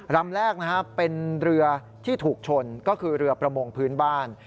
ลำแรกนะครับเป็นเรือที่ถูกชนก็คือเรือประมงพื้นบ้าน